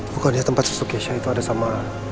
bukannya tempat susu geisha itu ada sama